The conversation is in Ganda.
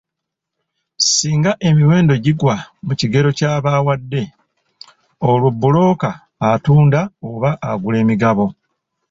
Singa emiwendo gigwa mu kigero ky'aba awadde, olwo bbulooka atunda oba agula emigabo.